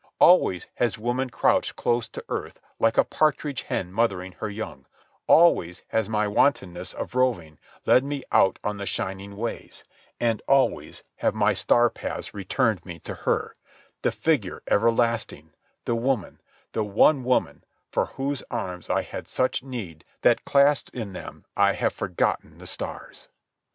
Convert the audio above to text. Always has woman crouched close to earth like a partridge hen mothering her young; always has my wantonness of roving led me out on the shining ways; and always have my star paths returned me to her, the figure everlasting, the woman, the one woman, for whose arms I had such need that clasped in them I have forgotten the stars.